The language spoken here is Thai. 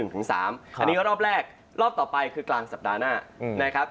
อันนี้ก็รอบแรกรอบต่อไปคือกลางสัปดาห์หน้านะครับ